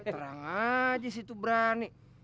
terang aja sih itu berani